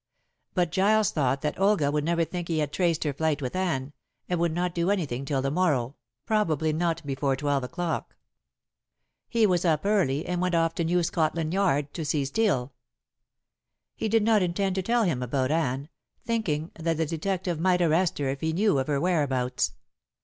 But Giles thought that Olga would never think he had traced her flight with Anne, and would not do anything till the morrow, probably not before twelve o'clock. He was up early, and went off to New Scotland Yard to see Steel. He did not intend to tell him about Anne, thinking that the detective might arrest her if he knew of her whereabouts.